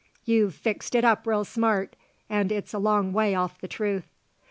You've fixed it up real smart, but it's a long way off the truth."